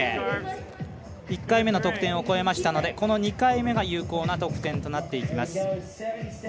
１回目の得点を超えましたのでこの２回目が有効な得点となっていきます。